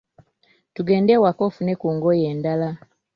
Tugende ewaka ofune ku ngoye endala.